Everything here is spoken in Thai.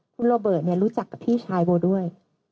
คุณโรเบิร์ตรู้จักกับพี่ชายโบด้วย